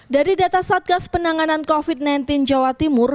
dari data satgas penanganan covid sembilan belas jawa timur